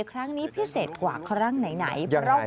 ครั้งนี้โดยพิเศษกว่าครั้งไหนยังไงครับ